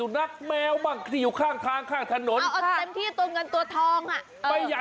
ดูไปนะความยาวมันประมาณสัก๔เมตรได้อ่ะ